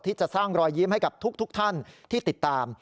ที่จะสร้างรอยยิ้มให้กับทุกท่านที่ติดตาม